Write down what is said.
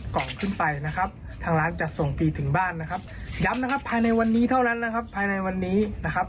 ขอบคุณมากครับ